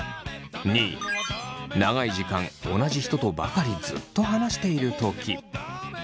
２位長い時間同じ人とばかりずっと話しているとき。